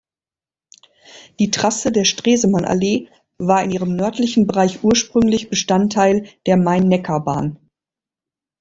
Die Trasse der Stresemannallee war in ihrem nördlichen Bereich ursprünglich Bestandteil der Main-Neckar-Bahn.